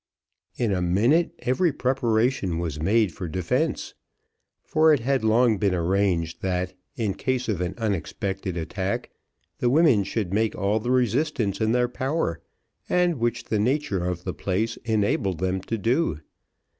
In a minute every preparation was made for defence; for it had long been arranged, that, in case of an unexpected attack, the women should make all the resistance in their power, and which the nature of the place enabled them to do.